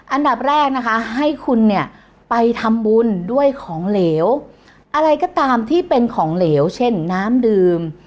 อันดับแรกนะคะให้คุณเนี่ยไปทำบุญด้วยของเหลวอะไรก็ตามที่เป็นของเหลวเช่นน้ำดื่ม